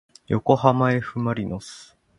よこはまえふまりのす